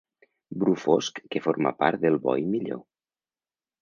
Bru fosc que forma part del bo i millor.